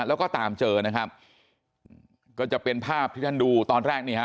แล้วก็ตามเจอนะครับก็จะเป็นภาพที่ท่านดูตอนแรกนี่ฮะ